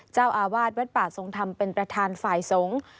เจ้าอาวาสวัดป่าทรงธรรมเป็นประธานฝ่ายสงฆ์